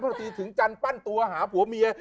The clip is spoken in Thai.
บางทีถึงจันทร์ปั้นตัวหาผัวเมีย